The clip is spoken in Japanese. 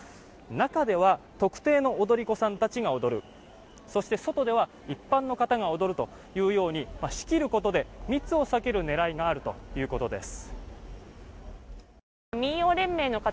中では特定の踊り子さんたちが踊るそして、外では一般の方が踊るというように、仕切ることで密を避ける狙いがあるということです。